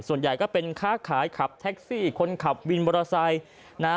ส่วนใหญ่ก็เป็นค้าขายขับแท็กซี่คนขับวินมอเตอร์ไซค์นะฮะ